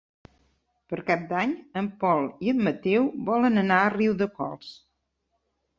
Per Cap d'Any en Pol i en Mateu volen anar a Riudecols.